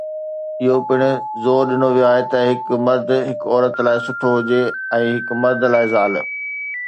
اهو پڻ زور ڏنو ويو آهي ته هڪ مرد هڪ عورت لاء سٺو هجي ۽ هڪ مرد لاء زال.